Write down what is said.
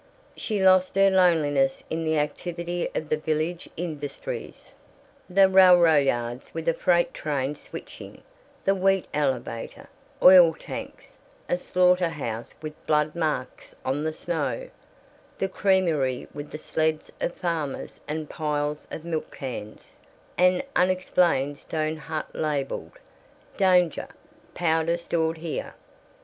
She lost her loneliness in the activity of the village industries the railroad yards with a freight train switching, the wheat elevator, oil tanks, a slaughter house with blood marks on the snow, the creamery with the sleds of farmers and piles of milk cans, an unexplained stone hut labeled "Danger Powder Stored Here."